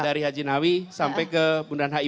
dari haji nawih sampai ke bunda nhai